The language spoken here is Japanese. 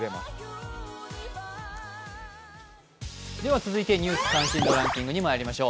続いて「ニュース関心度ランキング」にいきましょう。